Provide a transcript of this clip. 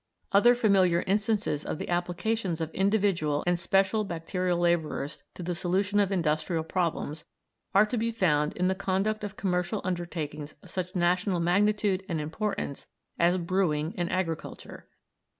Other familiar instances of the applications of individual and special bacterial labourers to the solution of industrial problems are to be found in the conduct of commercial undertakings of such national magnitude and importance as brewing and agriculture.